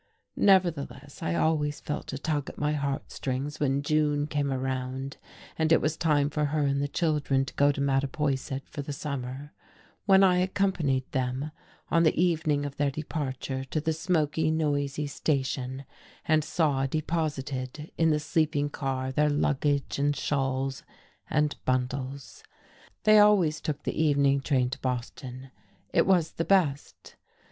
Nevertheless I always felt a tug at my heartstrings when June came around and it was time for her and the children to go to Mattapoisett for the summer; when I accompanied them, on the evening of their departure, to the smoky, noisy station and saw deposited in the sleeping car their luggage and shawls and bundles. They always took the evening train to Boston; it was the best.